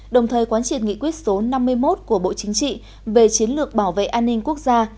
đồng thời quán triệt nghị quyết số năm mươi một của bộ chính trị về chiến lược bảo vệ an ninh quốc gia